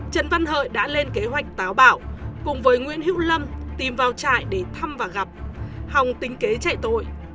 trần văn hợi đã lên kế hoạch táo bạo cùng với nguyễn hữu lâm tìm vào trại để thăm và gặp hồng tính kế chạy tội